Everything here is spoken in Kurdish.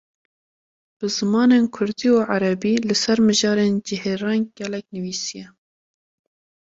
Bi zimanên Kurdî û Erebî, li ser mijarên cihêreng gelek nivîsiye